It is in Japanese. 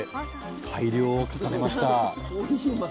改良を重ねました。